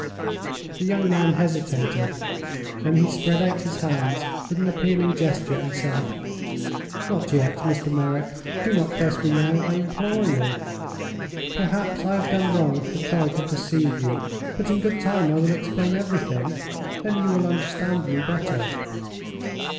The young man hesitated. Then he spread out his hands with an appealing gesture and said: "Not yet, Mr. Merrick! Do not press me now, I implore you. Perhaps I have done wrong to try to deceive you, but in good time I will explain everything, and then you will understand me better."